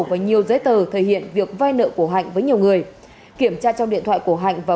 và nhiều giấy tờ thể hiện việc vai nợ của hạnh với nhiều người kiểm tra trong điện thoại của hạnh và